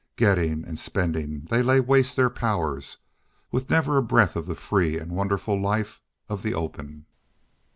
Getting and spending they lay waste their powers, with never a breath of the free and wonderful life of the open!